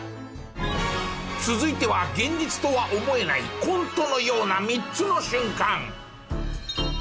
続いては現実とは思えないコントのような３つの瞬間。